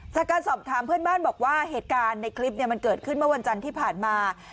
จากการสอบถามเพื่อนบ้านบอกว่าเหตุการณ์ในคลิปมันเกิดขึ้นเมื่อวันจันทร์ที่ผ่านมา